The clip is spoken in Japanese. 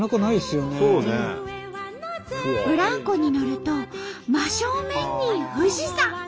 ブランコに乗ると真正面に富士山。